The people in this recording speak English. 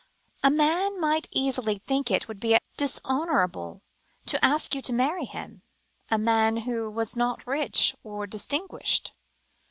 "A man might easily think it would be dishonourable to ask you to marry him a man who was not rich, or distinguished."